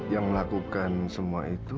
yang melakukan semua itu